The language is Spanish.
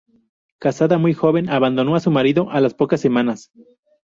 Casada muy joven abandonó a su marido a las pocas semanas.